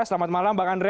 selamat malam bang andre